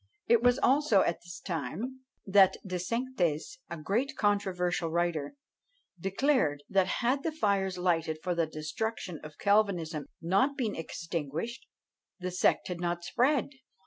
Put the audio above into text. It was also at this time that De Sainctes, a great controversial writer, declared, that had the fires lighted for the destruction of Calvinism not been extinguished, the sect had not spread!